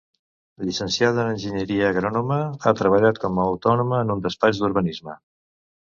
Llicenciada en enginyeria agrònoma, ha treballat com a autònoma en un despatx d'urbanisme.